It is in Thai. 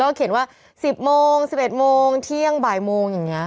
เขาเขียนว่า๑๐โมง๑๑โมงเที่ยงบ่ายโมงอย่างนี้